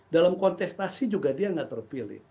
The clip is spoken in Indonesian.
dalam kontestasi juga dia nggak terpilih